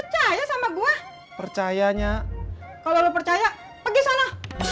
kalau lo percaya pergi sana